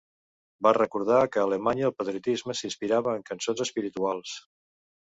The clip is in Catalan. Va recordar que a Alemanya el patriotisme s'inspirava en cançons espirituals.